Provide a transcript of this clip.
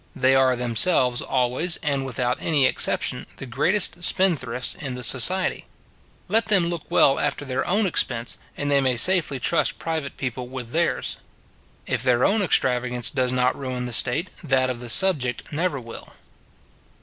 They are themselves always, and without any exception, the greatest spendthrifts in the society. Let them look well after their own expense, and they may safely trust private people with theirs. If their own extravagance does not ruin the state, that of the subject never will.